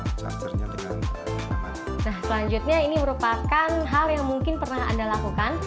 nah selanjutnya ini merupakan hal yang mungkin pernah anda lakukan